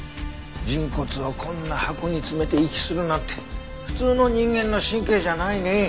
人骨をこんな箱に詰めて遺棄するなんて普通の人間の神経じゃないね。